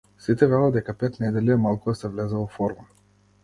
Сите велат дека пет недели е малку да се влезе во форма.